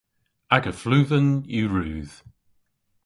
Aga fluven yw rudh.